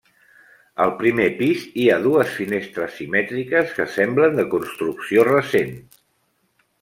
Al primer pis hi ha dues finestres simètriques que semblen de construcció recent.